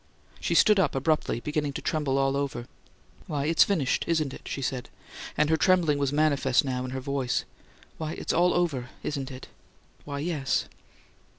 She stood up, abruptly, beginning to tremble all over. "Why, it's FINISHED, isn't it?" she said, and her trembling was manifest now in her voice. "Why, it's all OVER, isn't it? Why, yes!"